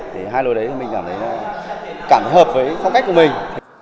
thì hai lối đấy mình cảm thấy cảm hợp với phong cách của mình